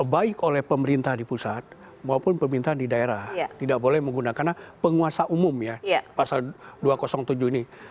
baik oleh pemerintah di pusat maupun pemerintahan di daerah tidak boleh menggunakan penguasa umum ya pasal dua ratus tujuh ini